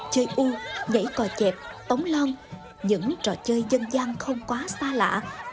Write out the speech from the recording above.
chơi u nhảy cò chẹp tống lon những trò chơi dân gian không quá xa lạ